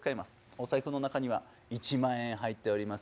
お財布の中には１万円入っております。